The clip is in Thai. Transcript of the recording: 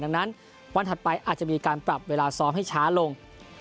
ดังนั้นวันถัดไปอาจจะมีการปรับเวลาซ้อมให้ช้าลง